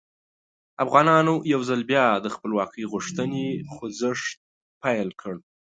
افغانانو یو ځل بیا د خپلواکۍ غوښتنې خوځښت پیل کړ.